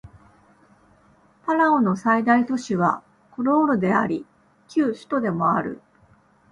パラオの最大都市はコロールであり旧首都でもある